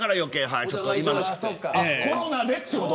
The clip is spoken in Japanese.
コロナでってこと。